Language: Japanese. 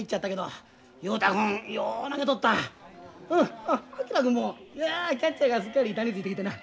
昭君もキャッチャーがすっかり板についてきてな。